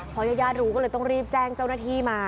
พอญาติรู้ก็เลยต้องรีบแจ้งเจ้าหน้าที่มา